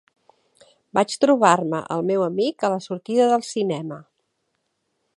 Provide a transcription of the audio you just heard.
Vaig trobar-me el meu amic a la sortida del cinema.